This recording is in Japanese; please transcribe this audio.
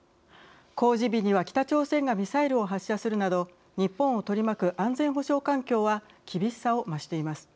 公示日には北朝鮮がミサイルを発射するなど日本を取り巻く安全保障環境は厳しさを増しています。